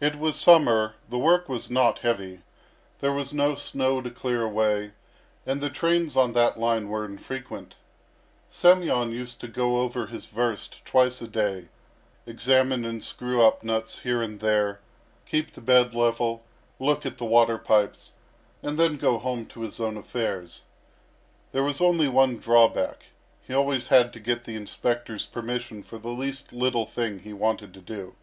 It was summer; the work was not heavy; there was no snow to clear away, and the trains on that line were infrequent. Semyon used to go over his verst twice a day, examine and screw up nuts here and there, keep the bed level, look at the water pipes, and then go home to his own affairs. There was only one drawback he always had to get the inspector's permission for the least little thing he wanted to do.